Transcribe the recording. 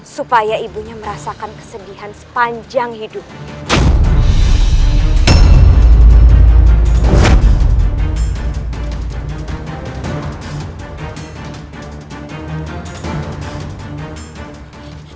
supaya ibu merasa kesedihan sepanjang hidupmu